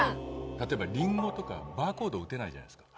例えばリンゴとかバーコード打てないじゃないですか。